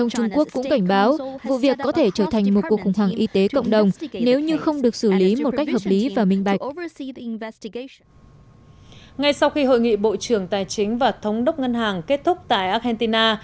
ngay sau khi hội nghị bộ trưởng tài chính và thống đốc ngân hàng kết thúc tại argentina